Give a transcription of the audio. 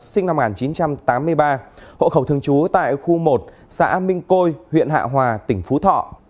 sinh năm một nghìn chín trăm tám mươi ba hộ khẩu thường trú tại khu một xã minh côi huyện hạ hòa tỉnh phú thọ